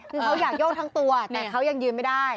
คือเขาอยากโยกทั้งตัวแต่เขายังยืนไม่ได้